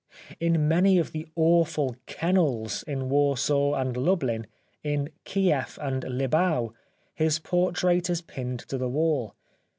In many of the awful kennels in Warsaw and Lublin^ in Kieff and Libau his portrait is pinned to the wall.